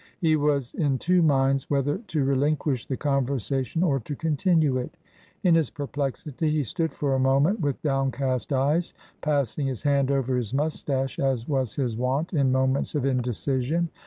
He was in two minds whether to re linquish the conversation or to continue it In his per plexity he stood for a moment with downcast eyes, passing his hand over his moustache, as was his wont in moments of indecision.